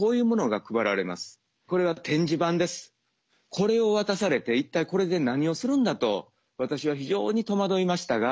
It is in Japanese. これを渡されて一体これで何をするんだと私は非常に戸惑いましたが。